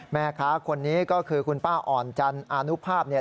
แม่ค้าคนนี้ก็คือคุณป้าอ่อนจันทร์อานุภาพเนี่ย